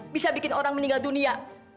bisa bikin orang meninggal dunia